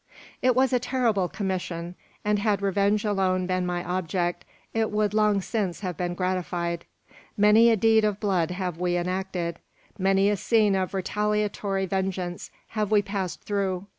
"It was a terrible commission; and had revenge alone been my object, it would long since have been gratified. Many a deed of blood have we enacted; many a scene of retaliatory vengeance have we passed through.